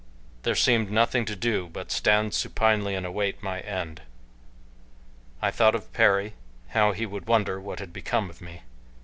There seemed nothing to do but stand supinely and await my end. I thought of Perry how he would wonder what had become of me.